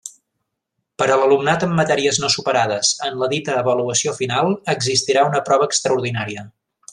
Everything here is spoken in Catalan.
Per a l'alumnat amb matèries no superades en la dita avaluació final, existirà una prova extraordinària.